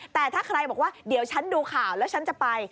แต่ถ้าใครบอกว่าเดี๋ยวฉันดูข่าวแล้วฉันจะไป